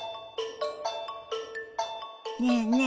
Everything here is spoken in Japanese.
ねえねえ